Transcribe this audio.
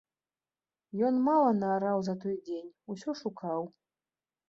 Ён мала наараў за той дзень, усё шукаў.